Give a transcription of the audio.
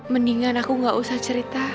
mendingan aku gak usah cerita